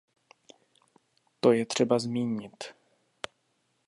To je třeba zmínit.